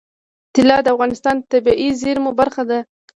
طلا د افغانستان د طبیعي زیرمو برخه ده.